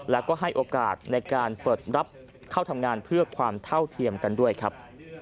แล้วก็ให้โอกาสในการเปิดรับเข้าทำงานเพื่อความเท่าเทียมกันด้วยครับ